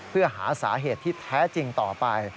เพื่อหาสาเหตุที่แท้จริงต่อไป